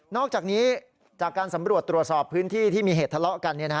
อกจากนี้จากการสำรวจตรวจสอบพื้นที่ที่มีเหตุทะเลาะกัน